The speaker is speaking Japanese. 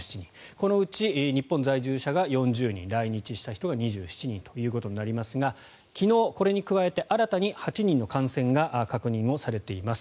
このうち、日本在住者が４０人来日した人が２７人ということになりますが昨日、これに加えて新たに８人の感染が確認されています。